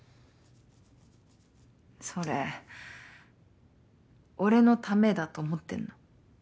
それ俺のためだと思ってんの？